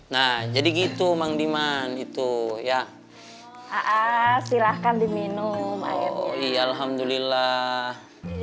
nah jadi gitu mandiman itu ya silahkan diminum oh iya alhamdulillah